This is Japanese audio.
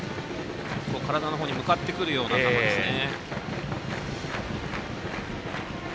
体のほうに向かってくるようなボールですね。